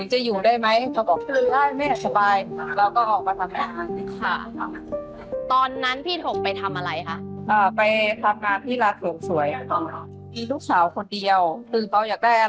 ให้ท่านดูจะอยู่ไหม